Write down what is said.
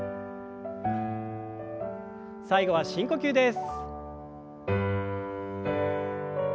最後は深呼吸です。